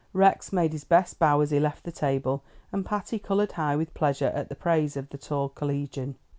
Rex made his best bow as he left the table, and Patty colored high with pleasure at the praise of the tall collegian.